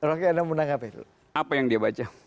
apa yang dia baca